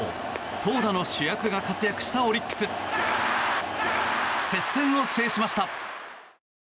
投打の主役が活躍したオリックス接戦を制しました。